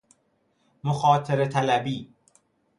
مخاطره طلبی